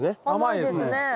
甘いですね。